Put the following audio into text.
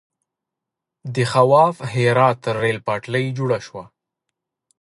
د خواف هرات ریل پټلۍ جوړه شوه.